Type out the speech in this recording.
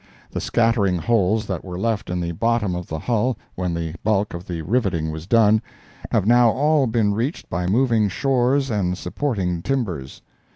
The scattering holes that were left in the bottom of the hull when the bulk of the riveting was done, have now all been reached by moving shores and supporting timbers.